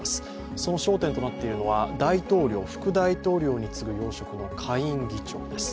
その焦点となっているのは大統領、副大統領に次ぐ要職の下院議長です。